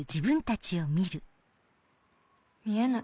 見えない。